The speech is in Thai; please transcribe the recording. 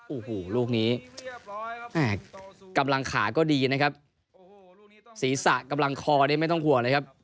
โอ้โหลูกนี้กำลังขาก็ดีนะครับศีรษะกำลังคอนี่ไม่ต้องห่วงเลยครับ